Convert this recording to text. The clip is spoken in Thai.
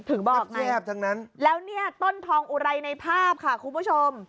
ถึงบอกไหมแล้วนี่ต้นทองอุไรในภาพค่ะคุณผู้ชม